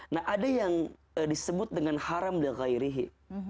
nah ada yang disebut dengan haram li ghairihi